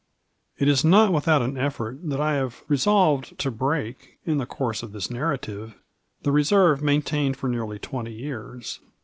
It is not without an effort that I have resolved to break, in the course of this narrative, the reserve main tained for nearly twenty years.